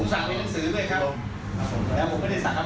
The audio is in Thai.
ไม่ผมเป็นศักดิ์ที่ใช้เด็กไปอย่างงี้ก็ใช้เด็กเก็บ